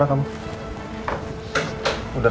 aku mau ke rumah